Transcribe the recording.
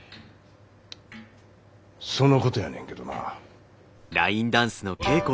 そのことやねんけどな。